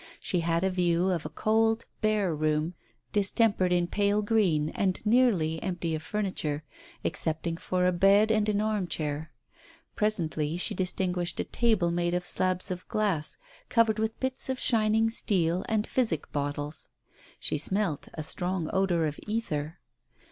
She had a view of a cold, bare room distempered in pale green, and nearly empty of furniture, excepting for a bed and an arm chair. Presently, she distinguished a table made of slabs of glass, covered with bits of shining steel and physic bottles. She smelt a strong odour of ether.